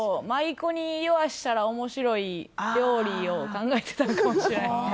言わせたら面白い料理を考えてたのかもしれないですね。